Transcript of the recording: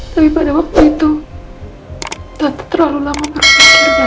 tapi pada waktu itu tante terlalu lama berpikir dan